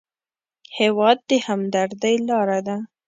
هېواد د همدردۍ لاره ده.